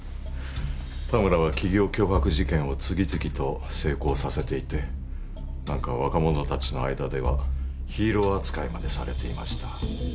田村は企業脅迫事件を次々と成功させていて何か若者たちの間ではヒーロー扱いまでされていました。